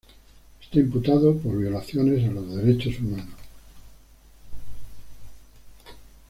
Está imputado por violaciones a los derechos humanos.